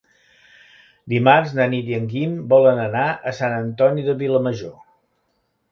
Dimarts na Nit i en Guim volen anar a Sant Antoni de Vilamajor.